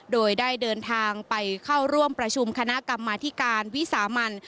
โดยได้เดินทางไปเข้าร่วมประชุมคณะกรรมาธิการวิสามัน